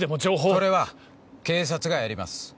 それは警察がやります。